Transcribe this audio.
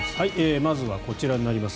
まずは、こちらになります。